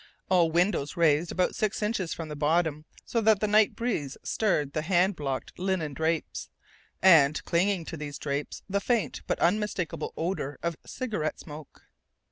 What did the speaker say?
All windows raised about six inches from the bottom, so that the night breeze stirred the hand blocked linen drapes. And, clinging to these drapes, the faint but unmistakable odor of cigarette smoke.